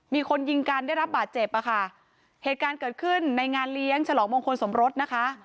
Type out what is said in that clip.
มีคนยิงกันได้รับบาดเจ็บอ่ะค่ะเหตุการณ์เกิดขึ้นในงานเลี้ยงฉลองมงคลสมรสนะคะ